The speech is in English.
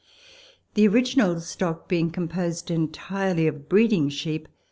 The original stock being composed entirely of breeding sheep